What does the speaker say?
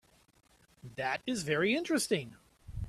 That is very interesting.